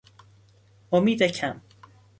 امید کم